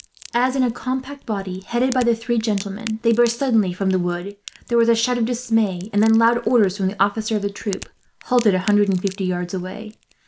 As in a compact body, headed by the three gentlemen, they burst suddenly from the wood, there was a shout of dismay; and then loud orders from the officer of the troop, halted a hundred and fifty yards away.